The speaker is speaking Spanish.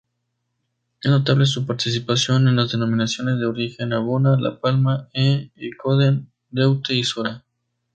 Es notable su participación en las denominaciones de origen Abona, La Palma e Ycoden-Daute-Isora.